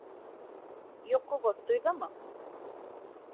Йоҡоғоҙ туйҙымы?